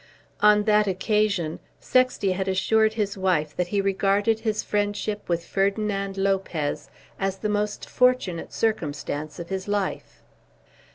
On that occasion Sexty had assured his wife that he regarded his friendship with Ferdinand Lopez as the most fortunate circumstance of his life.